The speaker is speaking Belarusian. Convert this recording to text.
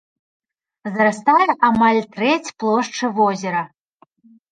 Зарастае амаль трэць плошчы возера.